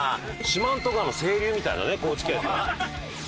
四万十川の清流みたいなね高知県の。